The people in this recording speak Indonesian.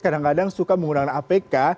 kadang kadang suka menggunakan apk